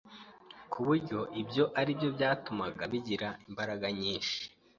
ku buryo ibyo ari byo byatumaga bigira imbaraga nyinshi